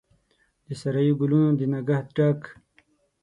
د سارایي ګلونو د نګهت ډک،